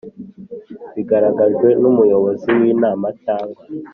Bigaragajwe n umuyobozi w inama cyangwa